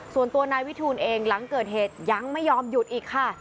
ส่วนตัวนายวิทูลเองหลังเกิดเหตุยังไม่ยอมหยุดอีกค่ะ